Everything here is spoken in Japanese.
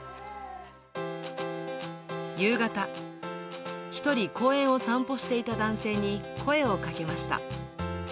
夕方、一人、公園を散歩していた男性に声をかけました。